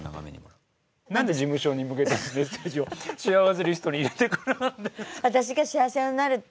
なんで事務所に向けたメッセージをしあわせリストに入れてくるんですか？